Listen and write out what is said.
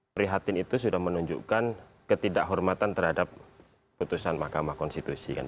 prihatin itu sudah menunjukkan ketidakhormatan terhadap putusan mahkamah konstitusi